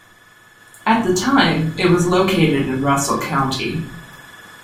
At the time it was located in Russell County.